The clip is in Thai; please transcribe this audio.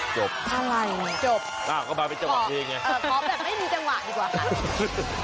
จบจบขอแบบไม่มีจังหวะดีกว่าค่ะ